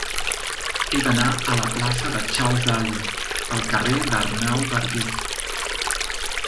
He d'anar de la plaça de Charles Darwin al carrer d'Arnau Bargués.